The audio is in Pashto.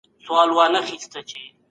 موږ به په دې وخت کي په سفر کي یو.